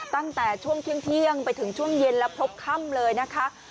ตั้งแต่ช่วงเที่ยงไปถึงช่วงเย็นแล้วพบค่ำเลยนะคะ